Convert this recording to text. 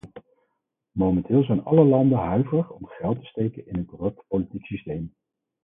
Momenteel zijn alle landen huiverig om geld te steken in een corrupt politiek systeem.